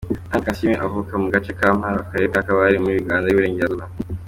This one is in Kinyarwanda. Anne Kansiime avuka mu gace ka Mparo, Akarere ka Kabale, muri Uganda y’Uburengerazuba.